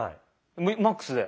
マックスで。